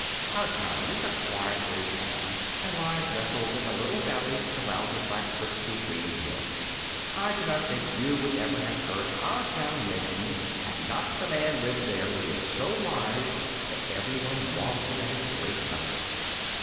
OUR town is a quiet little town, and lies nestling in a little valley surrounded by pretty green hills. I do not think you would ever have heard our town mentioned had not the man lived there who was so wise that everyone marvelled at his great knowledge.